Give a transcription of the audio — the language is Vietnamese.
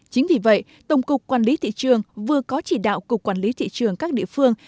chính vì vậy tổng cục quản lý thị trường vừa có chỉ đạo cục quản lý thị trường các địa phương